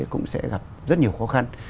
cũng sẽ gặp rất nhiều khó khăn